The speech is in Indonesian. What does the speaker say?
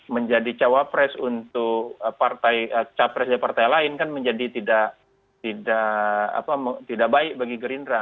menjadi cawapres untuk partai lain kan menjadi tidak baik bagi gerindra